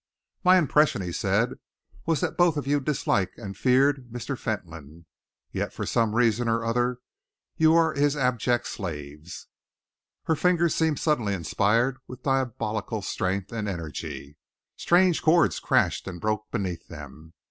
"My impression," he said, "was that both of you disliked and feared Mr. Fentolin, yet for some reason or other that you were his abject slaves." Her fingers seemed suddenly inspired with diabolical strength and energy. Strange chords crashed and broke beneath them.